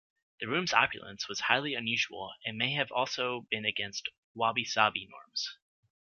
The room's opulence was highly unusual and may have also been against "wabi-sabi" norms.